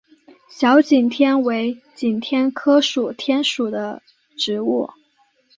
小景天为景天科景天属的植物。